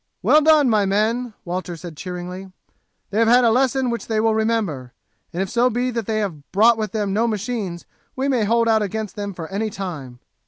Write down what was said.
"Well done, my men!" Walter said, cheeringly; "they have had a lesson which they will remember, and if so be that they have brought with them no machines we may hold out against them for any time."